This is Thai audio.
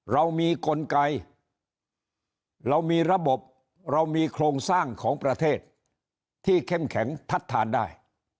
เรามีกลไกเรามีระบบเรามีโครงสร้างของประเทศที่เข้มแข็งทัดทานได้